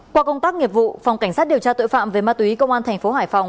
qua công tác nghiệp vụ phòng cảnh sát điều tra tội phạm về ma túy công an thành phố hải phòng